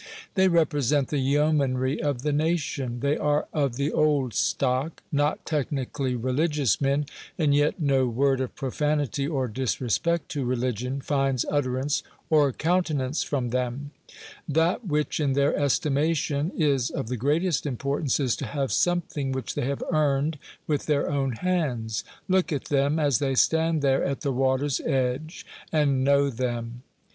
They represent the yeomanry of the nation. They are of the old stock; not technically religious men, and yet no word of profanity, or disrespect to religion, finds utterance or countenance from them. That which, in their estimation, is of the greatest importance, is to have something which they have earned with their own hands. Look at them, as they stand there at the water's edge, and know them.